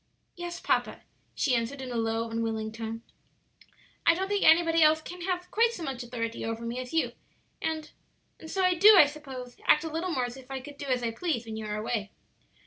"Yes, papa," she answered, in a low, unwilling tone. "I don't think anybody else can have quite so much authority over me as you, and and so I do, I suppose, act a little more as if I could do as I please when you are away."